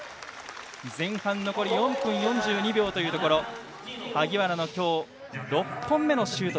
前半残り４分４２秒というところ萩原の今日６本目のシュート。